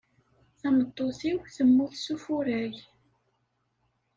Tameṭṭut-iw temmut s ufurray.